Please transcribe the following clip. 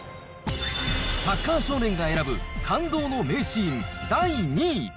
サッカー少年が選ぶ、感動の名シーン、第２位。